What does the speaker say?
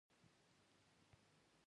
ما له ډېرو ښځو سره د یوازیتوب احساس کړی.